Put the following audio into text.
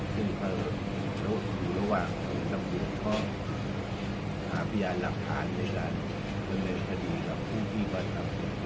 ซึ่งเขาอยู่ระหว่างหาพยายามรับฐานในการคุยกับผู้ที่ก่อนทำ